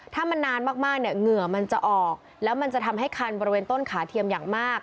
ถ้ามันนานมากเนี่ยเหงื่อมันจะออกแล้วมันจะทำให้คันบริเวณต้นขาเทียมอย่างมาก